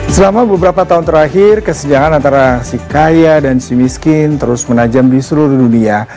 selama beberapa tahun terakhir kesenjangan antara si kaya dan si miskin terus menajam di seluruh dunia